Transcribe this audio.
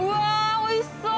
おいしそう。